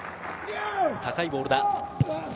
高いボールだ。